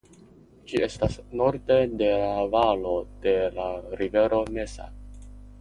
Ĝi estas norde de la valo de la rivero Mesa.